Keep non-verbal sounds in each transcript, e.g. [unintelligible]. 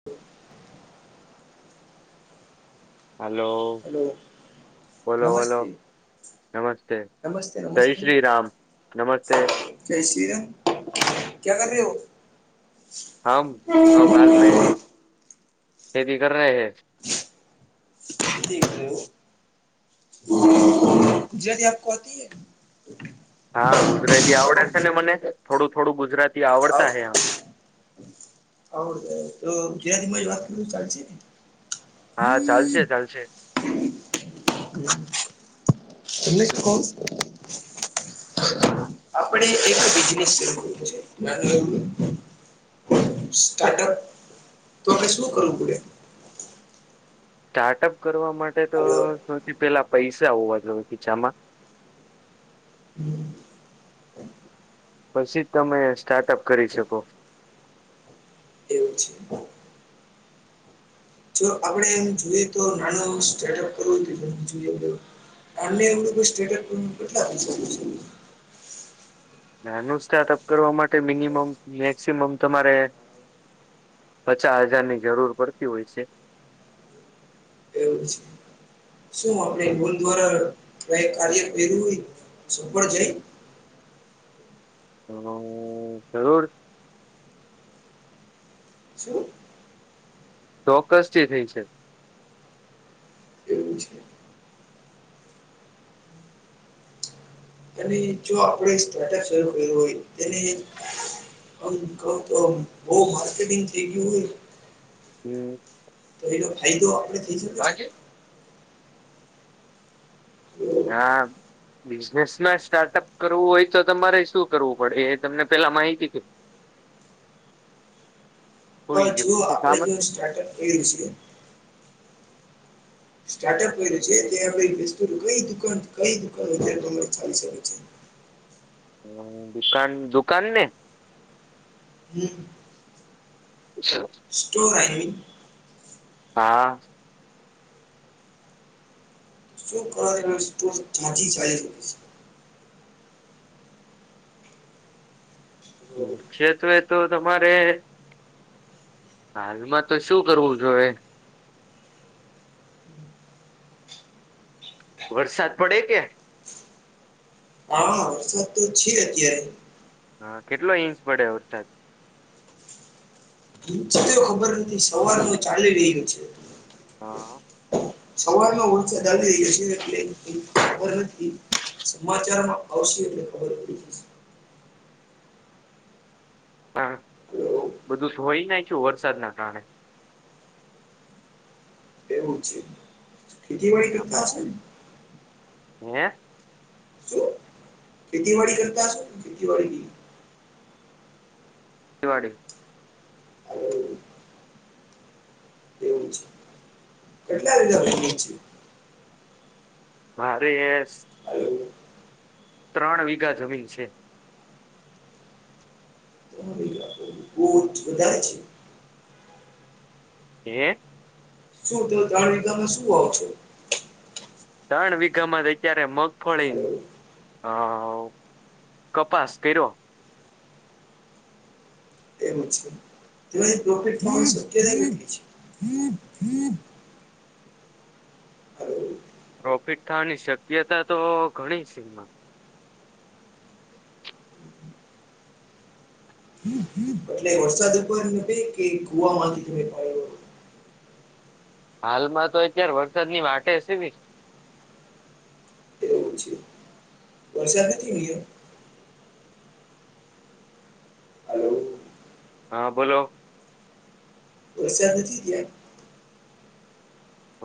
[inaudible] Hello hello બોલો બોલો નમસ્તે જય શ્રી રામ નમસ્તે કશમ ક્યા કર ર હમ હાલ મે હમ ખેતી કર ર હ ીકું હ પુજરાદી આપ આતી હ હા ગુજરાતી આવડે છે ને મને થોડું થોડું ગુજરાતી આવડતા હે હા આવડ તો જ્યાંથી મ વાત કર ચાલ છે. હા ચાલશે ચાલશે તમ કણ આપડ એક બિનેસ સ્ટાર્ટઅપ, તો આપણે શું કરવું પડે? સ્ટાર્ટઅપ કરવા માટે તો હાલો સૌથી પેલા પૈસા હોવા જોએ ખીચામાં. હમ. પસી જ તમે સ્ટાર્ટઅપ કરી શકો. એવું છે. જો આપણેે ઈ જોઈએ તો નાનું સ્ટાર્ટઅપ કરવું [unintelligible] ઓન્લી ઇંગ્લિશ સ્ટેટ્સ મુકતા હશે [unintelligible] નાનું સ્ટાર્ટઅપ કરવા માટે મિનિમમ મેક્સિમમ તમારે પચા હજારની જરૂર પડતી હોય શે. એવું છે. શું આપણે ગોલ દ્વારા કઈ કાર્ય કર્યું હોય, સફળ જાય? હન, જરૂર છુ. ચોક્કસથી થઈ છે. એવું છે. અને જો આપડે સ્ટાર્ટઅપ શરૂ કર્યું હોય, તેને આમ, કઉ તો બઉ માર્કેટિંગ થઈ ગયું હોય હમ, તો એનો ફાયદો આપડે થઈ શકે છે. લાગે? પણ હા. બિઝનેસમાં સ્ટાર્ટઅપ કરવું હોય તો તમારે શું કરવું પડે એ તમને પેલા માહિતીથી હોઈ પણ ગયો જો હું કામ આપણેે સ્ટાર્ટઅપ કર્યું છે. સ્ટાર્ટઅપ કર્યું છે તે આપડે કઈ દુકાન કઈ દુકાન ચાલી શકે છે? હમ, દુકાન દુકાનને? હમ. [inaudible] સ્ટોર [unintelligible] હા. શું કર સ્ટોર ચાલી જાય. છે ક્ષેત્ર એ તો તમારે હાલમાં તો શું કરવું જોએ? વરસાદ પડે કે? હા, વરસાદ તો છે અત્યારે. હન કેટલો ઈંચ પડે વરસાદ? ઈંચ તો ખબર નથી સવારનો ચાલી રહ્યો છે. હા. સવારમાં થી ચાલી રહ્યો છે ઉચા ખબર નતી, સમાચારમાં આવશ્યક [unintelligible] હઅ, તો બધું ધોઈ નાયખ્યું વરસાદના કારણે. એવુ છે, ખેતીવાડી કરતા છેન? હે? શું? ખેતીવાડી કરતા શો ન ખેતીવાડી? દિવાડી એવું છે, કેટલા વીઘા જમીન છે? મારે એસ હાલો, ત્રણ વીઘા જમીન છે. [unintelligible] બોજ વધારે છે. હે. શું તમે ત્રણ વીઘામાં શું વાવો છો? ત્રણ વીઘામાં અત્યારે મગફળીને હાલો, આવ કપાસ કૈરો એવું છે, તેઓ એજ પ્રોફેટમાં આવશે કે [unintelligible] હાલો પ્રોફિટ થવાની શક્યતા તો ઘણી સિંગમાં એટલે વરસાદ ઉપર નભે કે કૂવા માંથી તમે થાય એવું હાલમાં તો અત્યારે વરસાદની વાટે [unintelligible] એવું છે. વરસાદ નથી ઉએયા હાલો હા, બોલો. વરસાદ નથી ત્યાં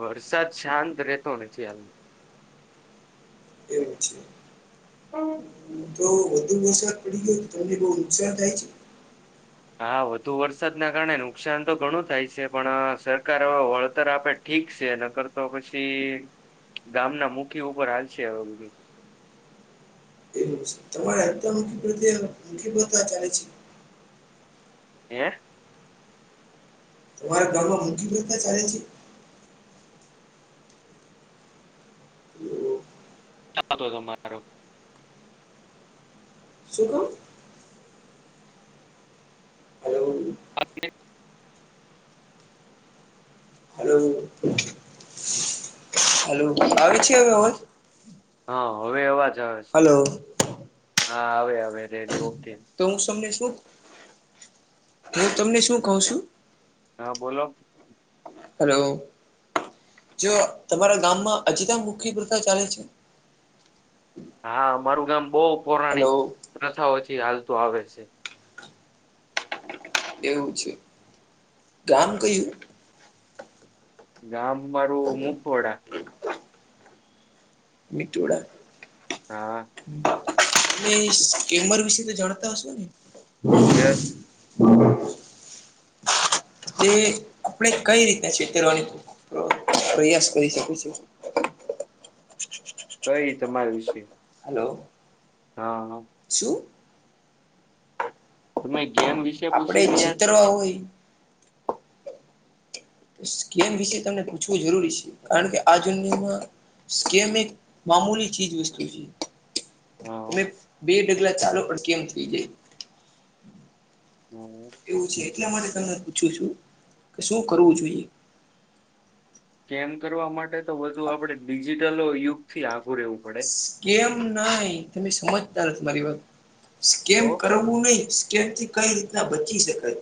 વરસાદ શાંત રહેતો નથી હાલમાં એવું છે. [unintelligible] તો વધુ વરસાદ પડી ગયો, તો તમને બહ નુકસાન થાય છે? હા, વધુ વરસાદના કારણે નુકસાન તો ઘણું થાય છે, પણ સરકાર હવે વળતર આપે ઠીક છે ન કરતો પછી ગામના મુખી ઉપર હાલશે બધું એવુ છે. તમારે હપ્તામુખી પ્રત્યે કેટલી પ્રથા ચાલે છે? હે? તમારા ગામમાં મુખી પ્રથા ચાલે છે? ચતો તમારો. શુકામ? હલો હલો હલો આવી છે હવે અવાજ? હા હવે અવા જ આવે છે, હલો હા આવે આવે રેડી ઓકે. તો હું તમને શું, હું તમને શું કઉ છું. હા બોલો. હલો જો તમારા ગામમાં અજીતા મુખી પ્રથા ચાલે છે. હા મારું ગામ બહુ પૌરાણિક હલો પ્રથાઓથી હાલતું આવે છે. એવું છે, ગામ કયું? ગામં મારું મુપોરડા. મીઠોડા? હા. એ સ્કેનર વિશે તો જાણતા હશો ને? યસ. તે આપણે કઈ રીતના છેતરવાની પ્રયાસ કરી શકી છું? કઈ તમારા વિશે. હલો. હા હ. શું? તમે ગેમ વિશે આપણે પૂછી રહ્યા છો છેતરવા કે? હોય સ્કેમ વિશે તમને પૂછવું જરૂરી છે, કારણ કે આ જુન્યમાં સ્કેમ એ એક મામૂલી ચીજ વસ્તુ છે. હા તમે બે ડગલા ચાલો પણ કેમ થઇ જાય. હમ એવું છે એટલા માટે તને પૂછું છું કે શું કરવું જોઈએ? સ્કેમ કરવા માટે તો વધુ આપડે ડિજિટલો યુગથી આઘું રહેવું પડે કેમ નઈ, તમે સમજતા નથી મારી વાત સ્કેમ તો કરવું કરવું નઈ, સ્કેમથી કઈ રીતના બચી શકાય.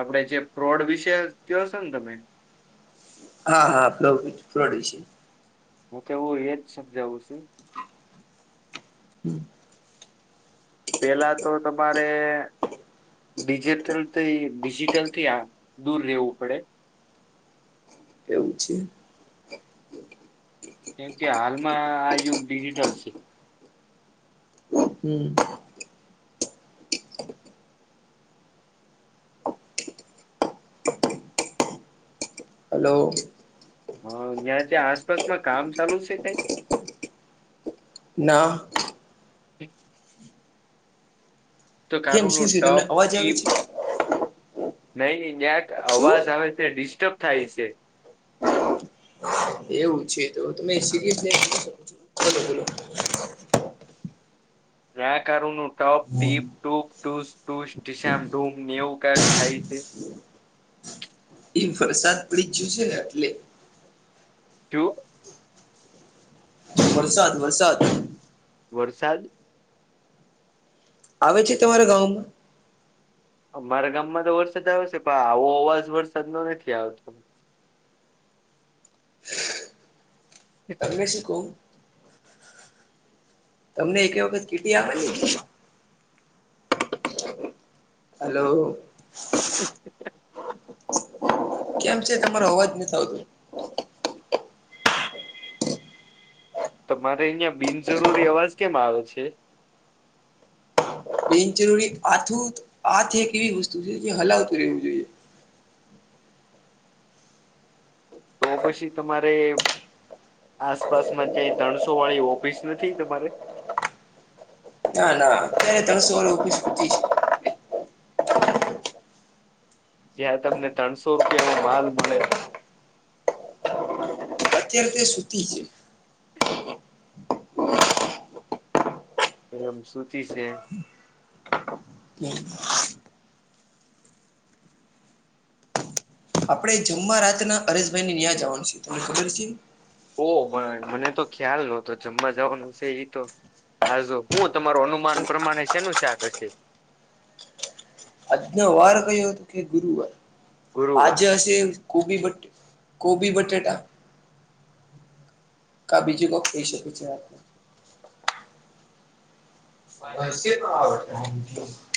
આપડે જે ફ્રોડ વિશે કયોસો ને તમે હા હા [unintelligible] ફ્રોડ વિશે હું કેવું એજ સમજાવું છું. હમ્મ. પેલા તો તમારે ડિજિટલથી ડિજિટલથી આ દૂર રહેેવું પડે. એવું છે. કેમકે હાલમાં આ યુગ ડિજિટલ છે. હમ્મ. હલો, હ ન્યા ત્યાં આસપાસમાં કામ ચાલુ છે, કઈ? ના [unintelligible] તો કેમ કારું શું નું છે તમને ટપ અવાજ આવે છે? નઈ નઈ ન્યાંક શું અવાજ આવે છે ડિસ્ટર્બ થાય છે. એવું છે, તો તમે સિરયસ શકો છો બોલો બોલો. નાકારુ ન ટપ ટીપ ટુપ ટુસુ સામ [inaudible] ને એવું કક થાય છે. એ વરસાદ પડી છે, ને એટલે જો. વરસાદ વરસાદ વરસાદ આવે છે તમારા ગામમાં અમારા ગામમાં તો વરસાદ આવે છે, પણ આવો અવાજ વરસાદ ન નથી આવતો. તમને સુ ક્વ તમને એક વખત કીટી આવે ને હલો [unintelligible] કેમ છે તમારો અવાજ નથી થ આવતો. તો મારે અહિયાં બિનજરૂરી અવાજ કેમ આવે છે? બિનચરૂરી આથું આથી એક એવી વસ્તુ છે કે હલાવતું રહેવું જોઈએ. તો પછી તમારે આસપાસમાં ક્યાંય ધણસો વાળી ઓફિસ નથી તમારે? ના ના અત્યારે તણ [inaudible] સોરે ઓફીસ પૂછશ જ્યાં તમને ત્રણસો રૂપિયામાં માલ મળે, અત્યારે તે સુતી છે, એમ સૂતી છે. [unintelligible] આપડે જમવા રાતના પરેશભાઈ ને ત્યાં જવાનું છે તમને ખબર છે. ઓહ મને તો ખ્યાલ નતો જમવા જવાનું હશે એ તો હાજુ, હું તમારું અનુમાન પ્રમાણે શેનું ચાક હશે. આજના વાર [inaudible] કે ગુરુ વાર આજ ગુરુવાર હશે ગબી બટ કોબી બટેાટા કા બીજું કોઈ કઈ શકે છે આપને [inaudible] હા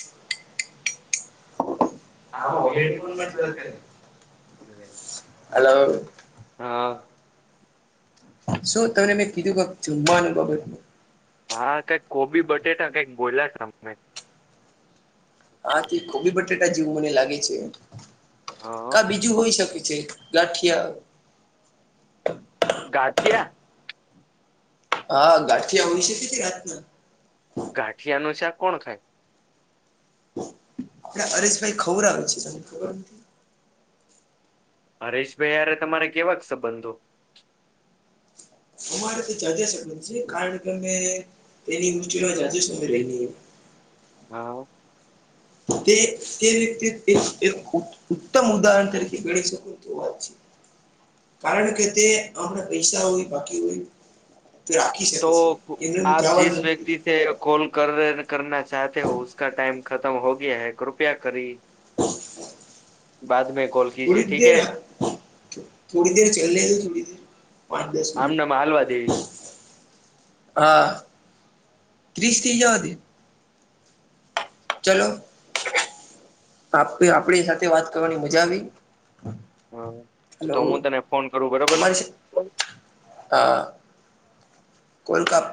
હા, હેડફોન માંથી વાત કરી. [unintelligible] હલો હા શું તમને મેં કીધું ક જુમમાનું બાબત. હા, કઈક કોબી બટેટા કઈક બોલા તમે હાથી કોબી બટેાટા જેવું મને લાગે છે, હ કા બીજું હોય શકે છે. ગાઠિયા ગાથીયા? હા, ગાઢીયા આવુંશે કે રાતના ગાંઠિયા ન ચા કોણ ખાય? એ અરેશભાઈ ખવર આવે છે, તને ખબર હરેશભાઈ યરે તમારે કેવા સંબંધો અરે તો જાા સબંધ છે, કારણ કે અમે તેની મુ જા સમમે લઈને હા, તે તે વ્યક્તિ ઉત્તમ ઉદાહરણ તરીકે ગણી શકે. કારણ કે તે આપણા પૈસા હોય, બાકી હોય. તો રાખી તો શકે છે, એમને એમ આપ જિસ જવાનું વ્યક્તિ નથી. સે કોલ કર કરના ચાતે, હોકા ટાઈમ ખતમ હો ગયા હૈ. કૃપયા કરે. [inaudible] [unintelligible] બાદ મે કોલ. કીજીએ થોડી ઠીક હે દેર, થોડી દેર ચાલે છે, થોડી દેર પાંચ દસમી. આમનેમ હાલવા દેવી તો હા, ક્ર્રીસ્તી જો હોતી. ચલો, આપ આપડી સાથે વાત કરવાની મજા આવી. હા હલો, તો હું તને ફોન કરું બરોબર અમારી હા, કોલ કાપ.